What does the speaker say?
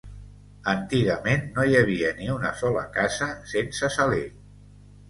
Antigament no hi havia ni una sola casa sense saler.